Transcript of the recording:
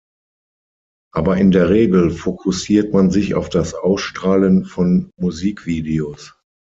Aber in der Regel fokussiert man sich auf das Ausstrahlen von Musikvideos.